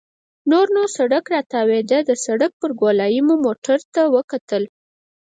نور نو سړک راتاوېده، د سړک پر ګولایې مو موټرو ته وکتل.